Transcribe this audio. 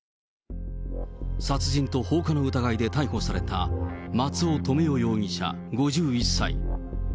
殺人と放火の疑いで逮捕された松尾留与容疑者５１歳。